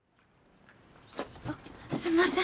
あっすんません。